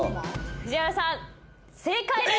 藤原さん正解です。